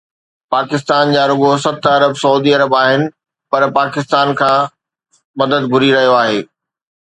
پاڪستان جا رڳو ست ارب سعودي عرب آهن پر پاڪستان کان مدد گهري رهيو آهي.